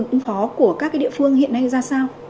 các công phó của các địa phương hiện nay ra sao